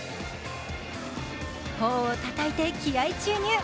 頬をたたいて、気合い注入。